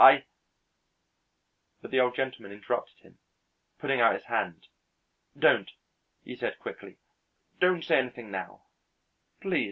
I " But the Old Gentleman interrupted him, putting out his hand: "Don't," he said quickly, "don't say anything now please."